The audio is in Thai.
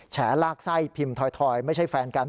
ฉลากไส้พิมพ์ถอยไม่ใช่แฟนกัน